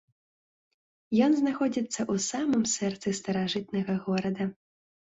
Ён знаходзіцца ў самым сэрцы старажытнага горада.